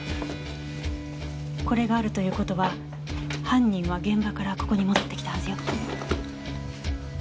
これがあるという事は犯人は現場からここに戻ってきたはずよ。